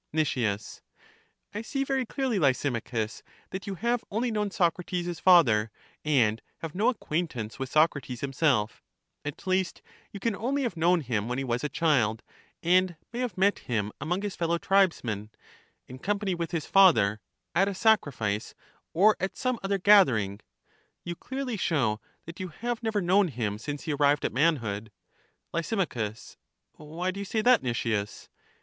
Nic, I see very clearly, Lysimachus, that you have only known Socrates' father, and have no acquaint ance with Socrates himself: at least, you can only have known him when he was a child, and may have met him among his fellow tribesmen, in company with his father, at a sacrifice, or at some other gathering. You clearly show that you have never known him since he arrived at manhood. Lys, Why do you say that, Nicias?